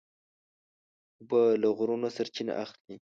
اوبه له غرونو سرچینه اخلي.